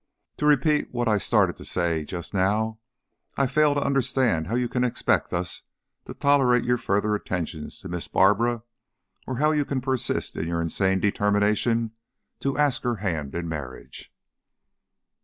To repeat what I started to say just now, I fail to understand how you can expect us to tolerate your further attentions to Miss Barbara or how you can persist in your insane determination to ask her hand in marriage."